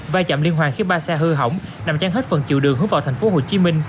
vai chạm liên hoàn khiến ba xe hư hỏng nằm chăn hết phần chiều đường hướng vào tp hcm